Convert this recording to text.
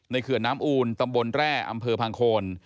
เขื่อนน้ำอูลตำบลแร่อำเภอพังโคน